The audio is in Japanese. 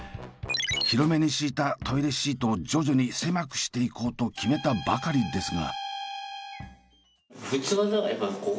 広めに敷いたトイレシートを徐々に狭くしていこうと決めたばかりですが。